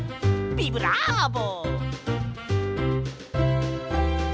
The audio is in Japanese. ビブラーボ！